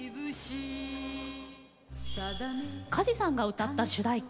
梶さんが歌った主題歌